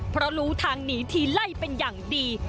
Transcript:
เพราะรู้ทางหนีทีไล่เป็นอย่างดี